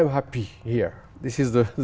câu hỏi tiếp theo xin lỗi